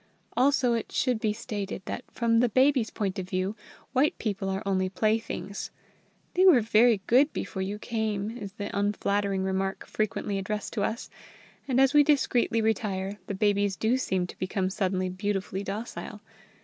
Also it should be stated that from the babies' point of view white people are only playthings. "They were very good before you came!" is the unflattering remark frequently addressed to us; and as we discreetly retire, the babies do seem to become suddenly beautifully docile.